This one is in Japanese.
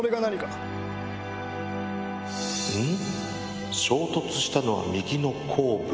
うん？